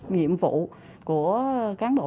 nhiệm vụ của cán bộ